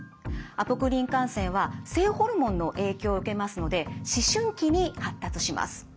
アポクリン汗腺は性ホルモンの影響を受けますので思春期に発達します。